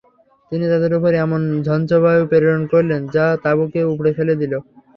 তিনি তাদের উপর এমন ঝঞ্জাবায়ু প্রেরণ করলেন যা তাঁবুকে উপড়ে ফেলে দিল।